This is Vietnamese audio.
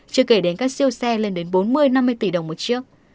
chưa kể đến các siêu xe lên đến bốn mươi năm mươi tỷ đồng một chiếc